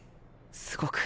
すごく。